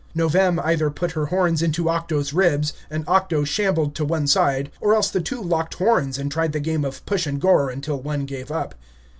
Novem either put her horns into Octo's ribs, and Octo shambled to one side, or else the two locked horns and tried the game of push and gore until one gave up.